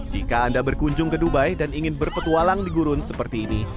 jika anda berkunjung ke dubai dan ingin berpetualang di gurun seperti ini